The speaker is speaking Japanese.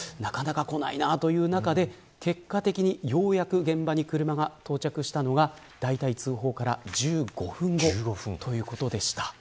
なかなかこないという中で結果的にようやく現場に車が到着したのがだいたい、通報から１５分後ということでした。